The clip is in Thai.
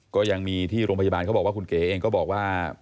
ก็ยังมีที่โรงพยาบาลเขาบอกว่าคุณเก๋เองก็บอกว่า